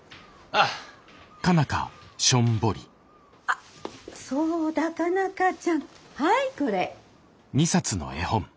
あっそうだ佳奈花ちゃんはいこれ。